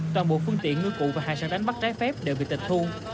toàn bộ phương tiện ngư cụ và hải sản đánh bắt trái phép đều bị tịch thu